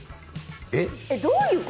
えっどういう事？